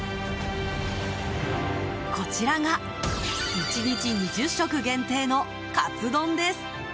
こちらが１日２０食限定のかつ丼です。